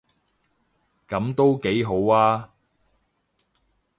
噉都幾好吖